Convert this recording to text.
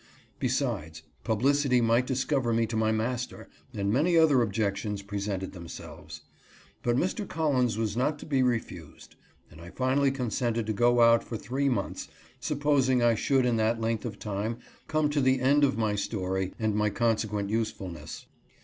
Besides, publicity might discover me to my master, and many other objections presented themselves. But Mr. Collins was not to be refused, and 1 finally consented to go out for three months, supposing I should in that length of time come to the end of my story and my consequent usefulness.